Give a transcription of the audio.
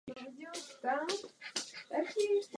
Obec tedy měla zastávku i železniční nádraží.